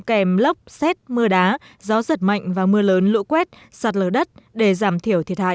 kèm lốc xét mưa đá gió giật mạnh và mưa lớn lũ quét sạt lở đất để giảm thiểu thiệt hại